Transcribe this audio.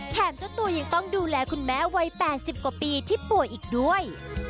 เจ้าตัวยังต้องดูแลคุณแม่วัย๘๐กว่าปีที่ป่วยอีกด้วย